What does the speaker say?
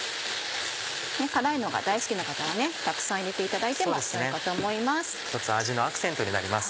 辛いのが大好きな方はたくさん入れていただいてもよいかと思います。